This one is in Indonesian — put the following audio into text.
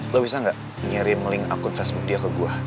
lo bisa gak nyiarin link akun facebook dia ke gue